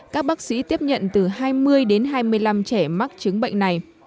các bác sĩ tiếp nhận từ hai mươi đến hai mươi năm trẻ mắc chứng bệnh này